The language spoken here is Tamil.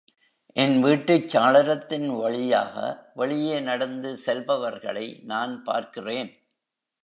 என் வீட்டுச் சாளரத்தின் வழியாக வெளியே நடந்து செல்பவர்களை நான் பார்க்கிறேன்.